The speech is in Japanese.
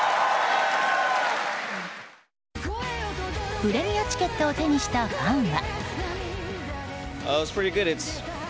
プレミアチケットを手にしたファンは。